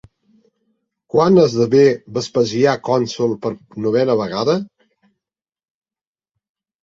Quan esdevé Vespasià cònsol per novena vegada?